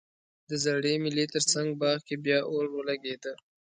د زړې مېلې ترڅنګ باغ کې بیا اور ولګیده